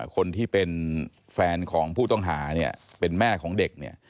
คนที่เป็นแฟนของผู้ต้องหาเป็นแม่ของเด็ก